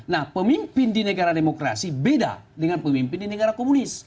nah pemimpin di negara demokrasi beda dengan pemimpin di negara komunis